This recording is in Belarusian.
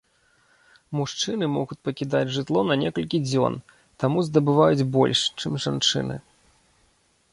Мужчыны могуць пакідаць жытло на некалькі дзён, таму здабываюць больш, чым жанчыны.